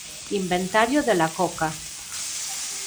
Inventario de la coca.